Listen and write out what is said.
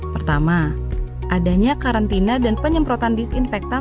pertama adanya karantina dan penyemprotan disinfektan